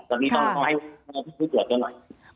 ตอนนี้ต้องทำให้เจ็บผู้ตรวจได้ได้หน่อย